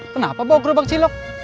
kenapa bawa gerobak cilok